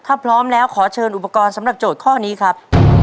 ถ้าพร้อมแล้วขอเชิญอุปกรณ์สำหรับโจทย์ข้อนี้ครับ